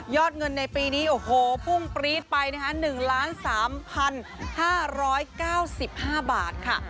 ยอดเงินในปีนี้โอ้โหพุ่งปรี๊ดไปนะฮะหนึ่งล้านสามพันห้าร้อยเก้าสิบห้าบาทค่ะ